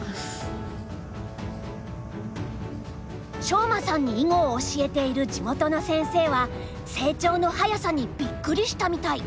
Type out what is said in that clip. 翔舞さんに囲碁を教えている地元の先生は成長の早さにびっくりしたみたい。